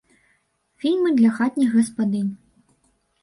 Фільмы для хатніх гаспадынь.